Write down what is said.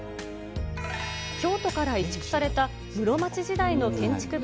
京都から移築された室町時代の建築物、